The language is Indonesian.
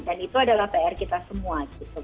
dan itu adalah pr kita semua